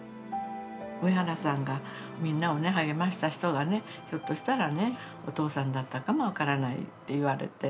上原さんが、みんなをね、励ました人がね、ひょっとしたらね、お父さんだったかも分からないって言われて。